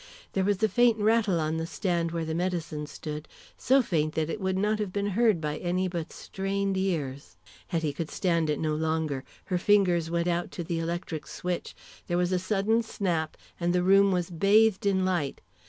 There was a faint rattle on the stand where the medicine stood, so faint that it would not have been heard by any but strained ears. Hetty could stand it no longer. Her fingers went out to the electric switch, there was a sudden snap, and the room was bathed in light.